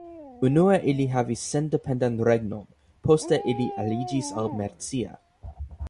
Unue ili havis sendependan regnon: poste ili aliĝis al Mercia.